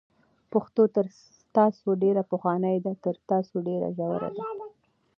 پښتو تر تاسو ډېره پخوانۍ ده، تر تاسو ډېره ژوره ده،